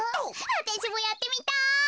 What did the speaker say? わたしもやってみたい。